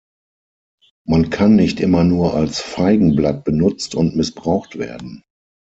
Man kann nicht immer nur als Feigenblatt benutzt und missbraucht werden!